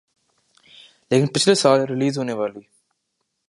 لیکن پچھلے سال ریلیز ہونے والی